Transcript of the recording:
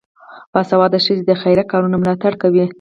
باسواده ښځې د خیریه کارونو ملاتړ کوي.